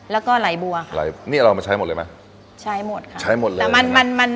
แล้วก็ไหลบัวค่ะไหลนี่เราเอามาใช้หมดเลยไหมใช้หมดค่ะใช้หมดเลยแต่มันมัน